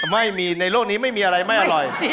ไม่มีในโลกนี้ไม่มีอะไรไม่อร่อย